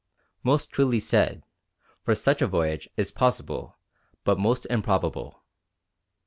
Most truly said, for such a voyage is possible, but most improbable.